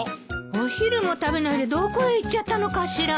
お昼も食べないでどこへ行っちゃったのかしら。